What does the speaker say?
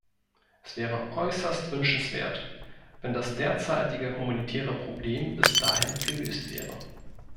Es wäre äußerst wünschenswert, wenn das derzeitige humanitäre Problem bis dahin gelöst wäre.